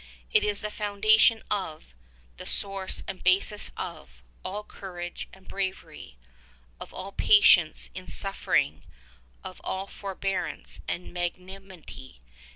It is the foundation of, the source 148 and basis of, all courage and bravery, of all patience in suffer ing, of all forbearance and magnanimity.